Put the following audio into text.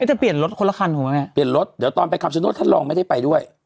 เอ๊ะแต่เปลี่ยนรถคนละคันหรอไงเปลี่ยนรถเดี๋ยวตอนไปคำสนุทรท่านรองไม่ได้ไปด้วย